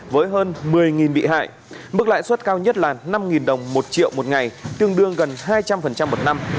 với hơn một mươi bị hại mức lãi suất cao nhất là năm đồng một triệu một ngày tương đương gần hai trăm linh một năm